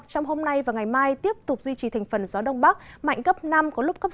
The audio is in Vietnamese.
trong hôm nay và ngày mai tiếp tục duy trì thành phần gió đông bắc mạnh cấp năm có lúc cấp sáu